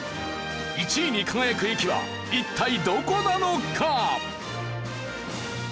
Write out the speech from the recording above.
１位に輝く駅は一体どこなのか？